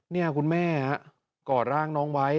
นี่คุณแม่กอดร่างน้องไว้